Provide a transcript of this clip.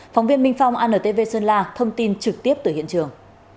phóng viên minh phong antv sơn la thông tin trực tiếp tới hiện trường